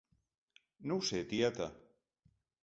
No ho sé, tieta.